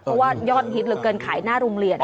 เพราะว่ายอดฮิตเหลือเกินขายหน้าโรงเรียน